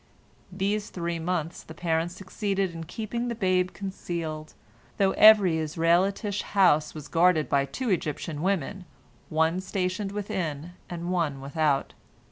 These three months the parents succeeded in keeping the babe concealed, though every Israelitish house was guarded by two Egyptian women, one stationed within and one without.